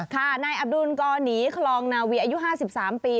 นายอับดุลกรหนีคลองนาวีอายุ๕๓ปี